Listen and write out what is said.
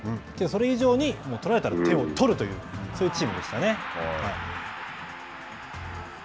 それ以上に取られたら点を取るというそういうチームでしたね。